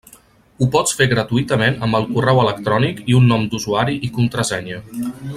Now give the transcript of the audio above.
Ho pots fer gratuïtament amb el correu electrònic i un nom d’usuari i contrasenya.